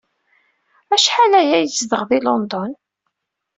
Acḥal ay yezdeɣ deg London?